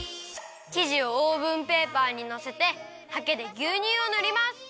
きじをオーブンペーパーにのせてはけでぎゅうにゅうをぬります！